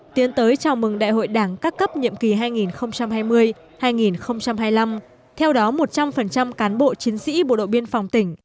tiến tới chào mừng đại hội đảng các cấp nhiệm kỳ hai nghìn hai mươi hai nghìn hai mươi năm theo đó một trăm linh cán bộ chiến sĩ bộ đội biên phòng tỉnh